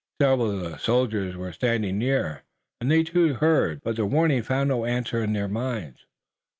Several of the soldiers were standing near, and they too heard, but the warning found no answer in their minds.